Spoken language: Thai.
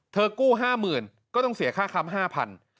กู้๕๐๐๐ก็ต้องเสียค่าค้ำ๕๐๐บาท